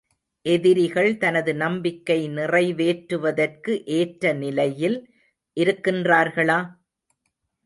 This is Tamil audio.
எதிரிகள் தனது நம்பிக்கை நிறைவேற்றுவதற்கு ஏற்ற நிலையில் இருக்கின்றார்களா?